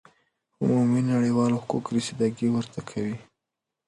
عمومی نړیوال حقوق رسیده ګی ورته کوی